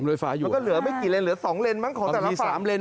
ทำโรยฟ้าอยู่มันก็เหลือไม่กี่เลนเหลือ๒เลนมั้งของแต่ละฝั่ง